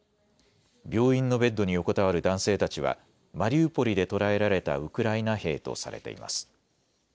病院のベッドに横たわる男性たちはマリウポリで捕らえられたウクライナ兵とされています。